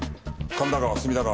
神田川隅田川